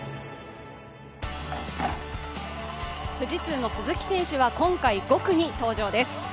富士通の鈴木選手は今回５区に登場です。